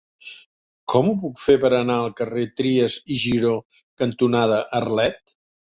Com ho puc fer per anar al carrer Trias i Giró cantonada Arlet?